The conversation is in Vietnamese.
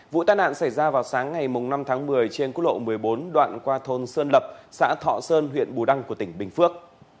vụ tai nạn xảy ra vào sáng ngày năm tháng một mươi trên quốc lộ một mươi bốn đoạn qua thôn sơn lập xã thọ sơn huyện bù đăng của tỉnh bình phước